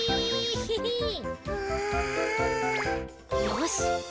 よし。